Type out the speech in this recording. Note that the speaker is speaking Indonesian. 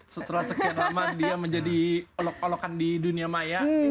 setelah sekian lama dia menjadi olok olokan di dunia maya